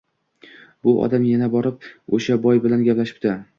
Bu odam yana borib, o`sha boy bilan gaplashibdi